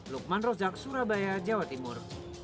lukman rozak surabaya jawa timur